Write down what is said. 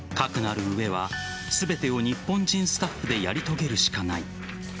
かくなる上は全てを日本人スタッフでやり遂げるしかない。